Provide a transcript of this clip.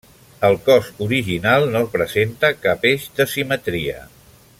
El cos original no presenta cap eix de simetria.